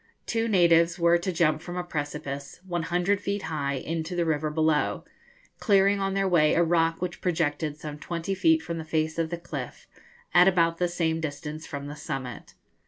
Two natives were to jump from a precipice, 100 feet high, into the river below, clearing on their way a rock which projected some twenty feet from the face of the cliff, at about the same distance from the summit.